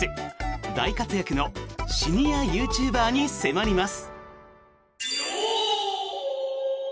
大活躍のシニアユーチューバーに迫ります。